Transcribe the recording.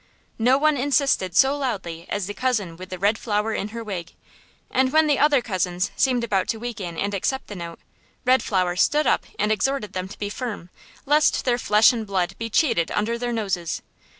No one insisted so loudly as the cousin with the red flower in her wig; and when the other cousins seemed about to weaken and accept the note, Red Flower stood up and exhorted them to be firm, lest their flesh and blood be cheated under their noses.